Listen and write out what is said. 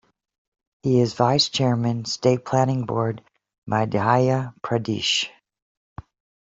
He is Vice Chairman, State Planning Board, Madhya Pradesh.